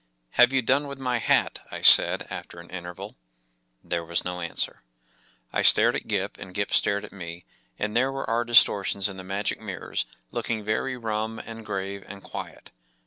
“Have you done with my hat?” I said, after an interval There was no answer. ! stared at Gip, and Gip stared at me, and there were our distortions in the magic mirrors, looking very rum, and grave, and quiet.